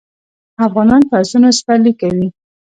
افغانان په اسونو سپرلي کوي.